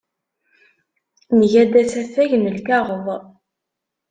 Nga-d asafag n lkaɣeḍ.